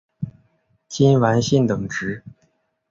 金丸信等职。